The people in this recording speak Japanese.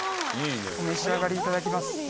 お召し上がりいただきます。